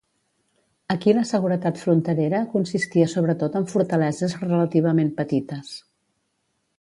Aquí la seguretat fronterera consistia sobretot en fortaleses relativament petites.